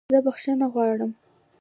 زه بخښنه غواړم